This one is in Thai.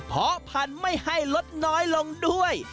ผอพันไม่ให้ลดน้อยลงด้วย